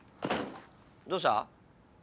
☎どうした？